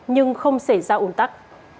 nhưng không xảy ra ủn tắc